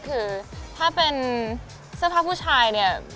คือถ้าเป็นเสื้อผ้าผู้ชายเนี่ย